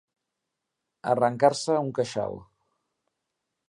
Arrencar-se un queixal.